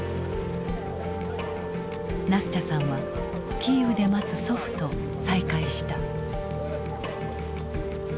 ナスチャさんはキーウで待つ祖父と再会した。